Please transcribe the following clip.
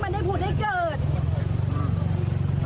คุณผู้ชมคุณผู้ชมคุณผู้ชม